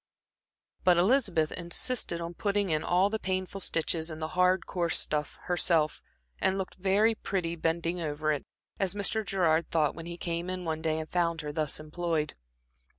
But Elizabeth insisted on putting in all the painful stitches in the hard, coarse stuff herself, and looked very pretty bending over it, as Mr. Gerard thought when he came in one day and found her thus employed.